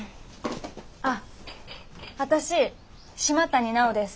あっ私島谷奈央です。